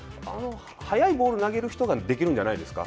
速いボール投げる人ができるんじゃないですか。